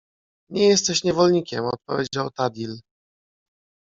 — Nie jesteś niewolnikiem — odpowiedział Tadhil.